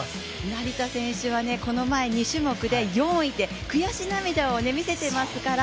成田選手はこの前、２種目で４位で悔し涙を見せていますから。